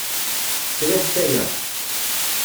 Sriḥet aya.